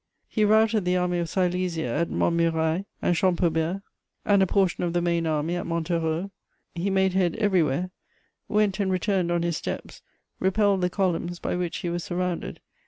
He routed the Army of Silesia at Montmirail and Champaubert and a portion of the main army at Montereau. He made head everywhere; went and returned on his steps; repelled the columns by which he was surrounded.